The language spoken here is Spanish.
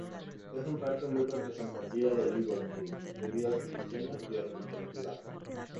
Es un parque muy representativo de Liverpool, debido a su diseño y arquitectura.